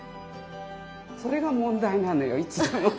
それが問題なのよいつも。